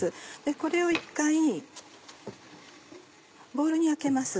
これを一回ボウルにあけます。